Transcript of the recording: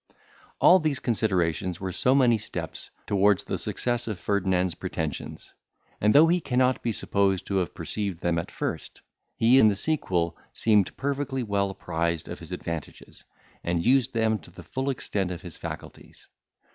All these considerations were so many steps towards the success of Ferdinand's pretensions; and though he cannot be supposed to have perceived them at first, he in the sequel seemed perfectly well apprised of his advantages, and used them to the full extent of his faculties.